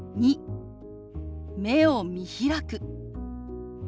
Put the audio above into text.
２目を見開く。